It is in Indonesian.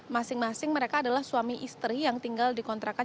masing masing mereka adalah suami istri yang tinggal di kontrakan